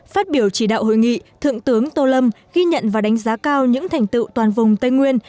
phát biểu chỉ đạo hội nghị thượng tướng tô lâm ghi nhận và đánh giá cao những thành tựu toàn vùng tây nguyên